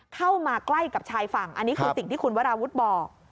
เข้ามาใกล้กับชายฝั่งอันนี้คือสิ่งที่คุณวราวุฒิบอก